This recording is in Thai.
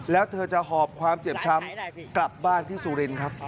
แล้วเธอจะหอบความเจ็บช้ำกลับบ้านที่สุรินทร์ครับ